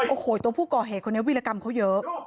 โอ้โหตัวผู้ก่อเหตุคนนี้วิรกรรมเขาเยอะ